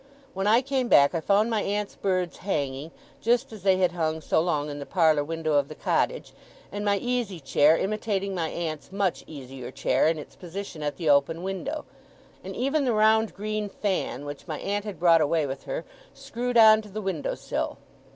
When I came back, I found my aunt's birds hanging, just as they had hung so long in the parlour window of the cottage; and my easy chair imitating my aunt's much easier chair in its position at the open window; and even the round green fan, which my aunt had brought away with her, screwed on to the window sill.